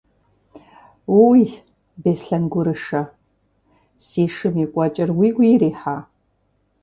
Уий, Беслъэн гурышэ, си шым и кӀуэкӀэр уигу ирихьа?